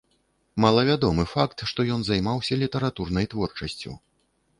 Малавядомы факт, што ён займаўся літаратурнай творчасцю.